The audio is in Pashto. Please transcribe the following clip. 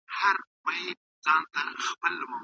ذهني فشار د بدن توازن خرابوي.